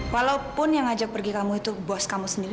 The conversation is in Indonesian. walaupun yang ngajak pergi kamu itu bos kamu sendiri